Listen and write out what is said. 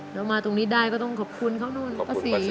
แล้วมาตรงนี้ได้ก็ต้องขอบคุณเขานู่นป้าศรี